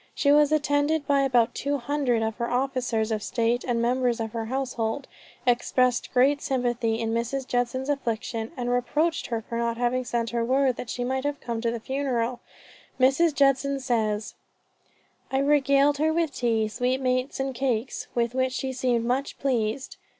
She was attended by about two hundred of her officers of state and members of her household, expressed great sympathy in Mrs. Judson's affliction, and reproached her for not having sent her word that she might have come to the funeral. Mrs. Judson says, "I regaled her with tea, sweetmeats, and cakes, with which she seemed much pleased."